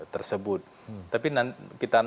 tersebut tapi nanti kita